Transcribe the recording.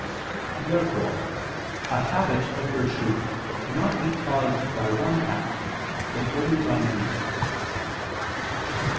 Therefore a habit of virtue cannot be caused by one act, but only by many.